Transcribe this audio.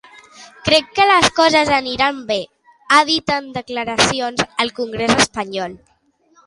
Crec que les coses aniran bé, ha dit en declaracions al congrés espanyol.